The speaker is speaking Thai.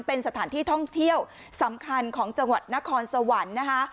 เป็นสถานที่ท่องเที่ยวสำคัญของจังหวัดนครสวรรค์นะคะ